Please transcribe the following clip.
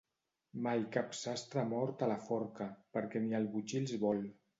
Mai cap sastre ha mort a la forca, perquè ni el botxí els vol.